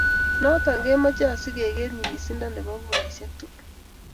Nito komache asikoker nyikisindo nebo kuraisiek tukul